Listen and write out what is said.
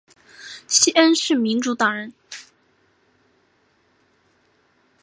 西恩是民主党人。